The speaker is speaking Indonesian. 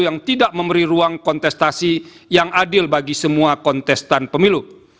yang tidak memberi ruang kontestasi yang adil bagi semua kontestan pemilu